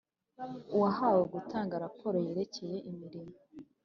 UwahaweGutanga raporo yerekeye imirimo